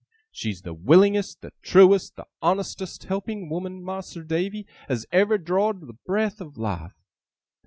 She's the willingest, the trewest, the honestest helping woman, Mas'r Davy, as ever draw'd the breath of life.